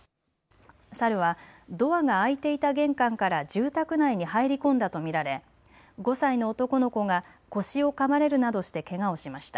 サルはドアが開いていた玄関から住宅内に入り込んだと見られ５歳の男の子が腰をかまれるなどしてけがをしました。